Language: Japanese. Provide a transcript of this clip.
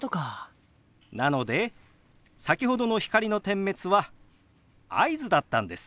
なので先ほどの光の点滅は合図だったんです。